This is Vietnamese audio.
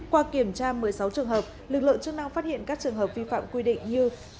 qua kiểm tra một mươi sáu trường hợp lực lượng chức năng phát hiện các trường hợp vi phạm quy định như